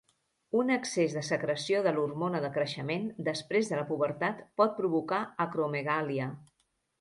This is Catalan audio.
Un excés de secreció de l'hormona de creixement després de la pubertat pot provocar acromegàlia.